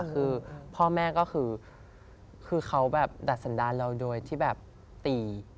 คือพ่อแม่ก็คือเขาแบบดัดสันดาเราโดยที่แบบตี